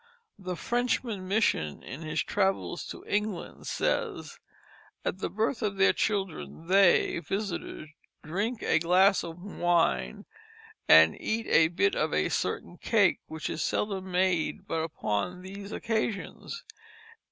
The Frenchman, Misson, in his Travels in England, says, "At the birth of their children they (visitors) drink a glass of wine and eat a bit of a certain cake, which is seldom made but upon these occasions."